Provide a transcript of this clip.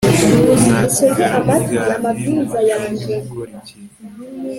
mwasigara muryamye mu macumbi mukora iki